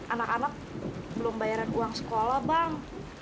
anak anak belum bayaran uang sekolah bang